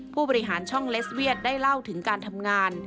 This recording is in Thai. ผู้บริหารช่องเลสเวียดได้เล่าถึงการทำงาน